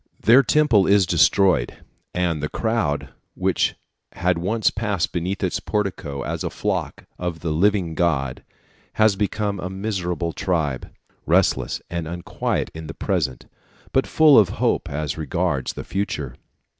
Their Temple is destroyed, and the crowd which had once pressed beneath its portico as the flock of the living God has become a miserable tribe, restless and unquiet in the present, but full of hope as regards the future.